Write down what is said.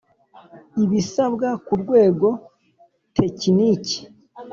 ibisabwa ku rwego tekiniki